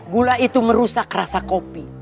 gula itu merusak rasa kopi